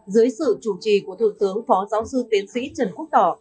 dưới sự chủ trì của thượng tướng phó giáo sư tiến sĩ trần quốc tỏ